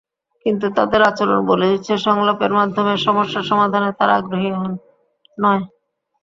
কিন্তু তাদের আচরণ বলে দিচ্ছে, সংলাপের মাধ্যমে সমস্যা সমাধানে তারা আগ্রহী নয়।